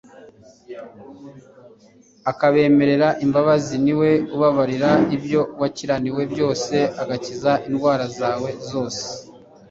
akabemerera imbabazi " Niwe ubabarira ibyo wakiraniwe byose, agakiza indwara za we zose'°."